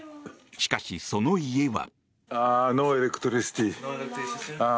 しかし、その家は。